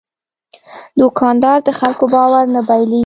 دوکاندار د خلکو باور نه بایلي.